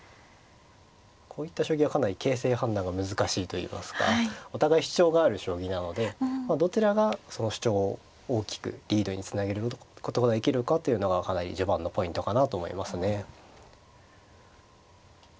こういった将棋はかなり形勢判断が難しいといいますかお互い主張がある将棋なのでどちらがその主張を大きくリードにつなげることができるかというのがかなり序盤のポイントかなと思いますね。